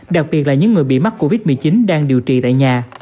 đặc biệt là những người bị mắc covid một mươi chín đang điều trị tại nhà